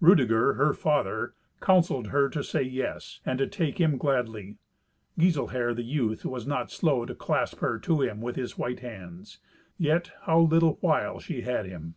Rudeger her father counselled her to say "yes," and to take him gladly. Giselher, the youth, was not slow to clasp her to him with his white hands. Yet how little while she had him!